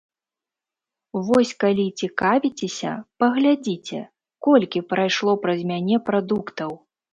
Вось калі цікавіцеся, паглядзіце, колькі прайшло праз мяне прадуктаў.